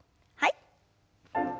はい。